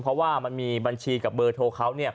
เพราะว่ามันมีบัญชีกับเบอร์โทรเขา